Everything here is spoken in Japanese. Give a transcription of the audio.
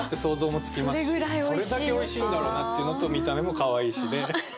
それだけおいしいんだろうなっていうのと見た目もかわいいしで。